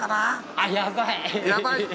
あっやばい！